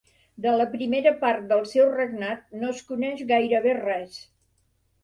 De la primera part del seu regnat no es coneix gairebé res.